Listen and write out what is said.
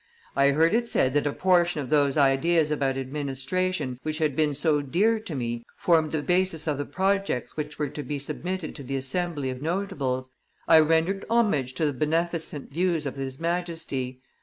I heard it said that a portion of those ideas about administration which had been so dear to me formed the basis of the projects which were to be submitted to the Assembly of notables. I rendered homage to the beneficent views of his Majesty.